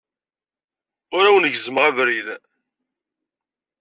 Ur awen-gezzmeɣ abrid.